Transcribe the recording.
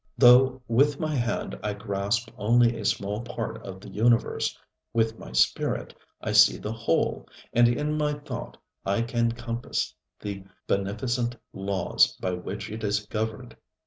ŌĆØ Though with my hand I grasp only a small part of the universe, with my spirit I see the whole, and in my thought I can compass the beneficent laws by which it is governed.